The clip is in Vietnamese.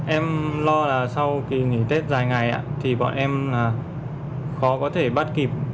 em lo là sau kỳ nghỉ tết dài ngày thì bọn em khó có thể bắt kịp